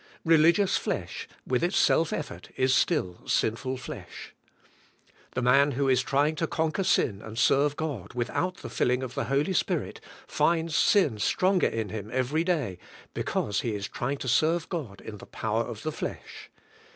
Religious flesh, with its self effort, is still sinful flesh. The man who is trying to con quer sin and serve God, without the filling of the Holy Spirit, finds sin stronger in Him every day, because he is trying to serve God in the power of the flesh.